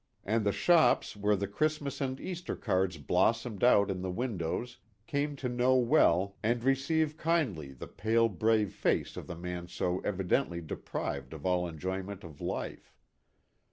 And the shops 178 THE GOOD SAMARITAN. where the Christmas and Easter cards blossomed out in the windows came to know well and re ceive kindly the pale brave face of the man so evidently deprived of all enjoyment of life.